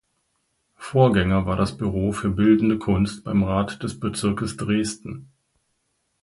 Vorgänger war das Büro für Bildende Kunst beim Rat des Bezirkes Dresden.